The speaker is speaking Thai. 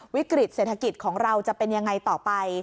วิกฤตเศรษฐกิจของเราจะเป็นยังไงต่อไป